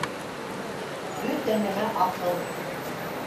Бөтә нәмә аҡыл